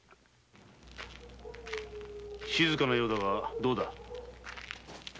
静かなようだがどうだ？